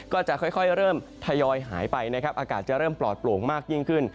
ก็จะค่อยเริ่มทยอยหายไปนะครับอากาศจะเริ่มปลอดโปร่งมากยิ่งขึ้น